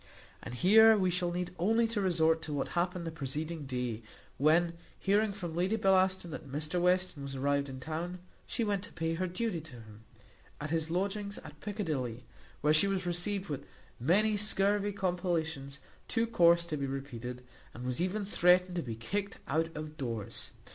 And here we shall need only to resort to what happened the preceding day, when, hearing from Lady Bellaston that Mr Western was arrived in town, she went to pay her duty to him, at his lodgings at Piccadilly, where she was received with many scurvy compellations too coarse to be repeated, and was even threatened to be kicked out of doors.